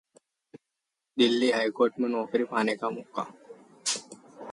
Delhi high court में नौकरी पाने का मौका